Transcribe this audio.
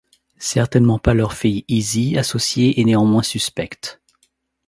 Certainement pas leur fille, Izzy, associée et néanmoins suspecte.